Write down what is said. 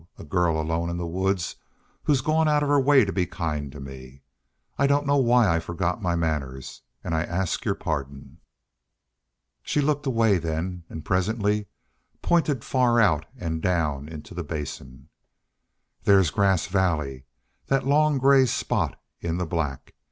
A girl alone in the woods who's gone out of her way to be kind to me! I don't know why I forgot my manners. An' I ask your pardon." She looked away then, and presently pointed far out and down into the Basin. "There's Grass Valley. That long gray spot in the black.